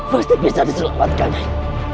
pasti bisa diselamatkan nyai